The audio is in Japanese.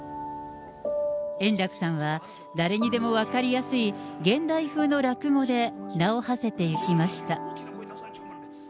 円楽さんは誰にでも分かりやすい現代風の落語で名をはせていきました。